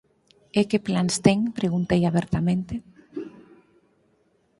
E que plans ten? −preguntei abertamente.